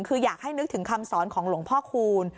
คืออยากให้นึกถึงคำสอนของหลวงพ่อคูณ